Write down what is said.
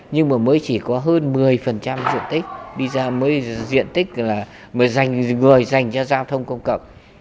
nhưng mới chỉ có hơn một mươi diện tích mới dành cho giao thông công cộng